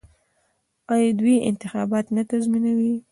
آیا دوی انتخابات نه تنظیموي؟